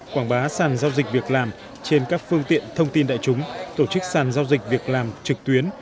quảng bá sàn giao dịch việc làm trên các phương tiện thông tin đại chúng tổ chức sàn giao dịch việc làm trực tuyến